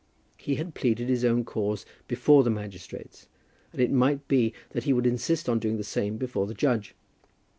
He had pleaded his own cause before the magistrates, and it might be that he would insist on doing the same thing before the judge.